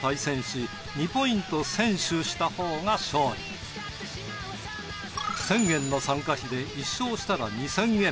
一人ずつ１，０００円の参加費で１勝したら２，０００円。